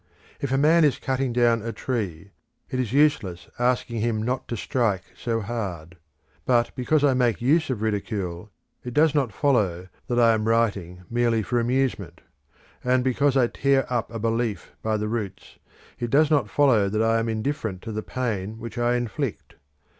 If a man is cutting down a tree, it is useless asking him not to strike so hard. But because I make use of ridicule, it does not follow that I am writing merely for amusement; and because I tear up a belief by the roots, it does not follow that I am indifferent to the pain which I inflict.